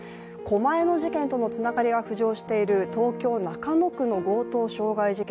狛江の事件とのつながりが浮上している東京・中野区の強盗傷害事件